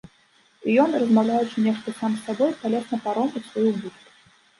І ён, размаўляючы нешта сам з сабой, палез на паром, у сваю будку.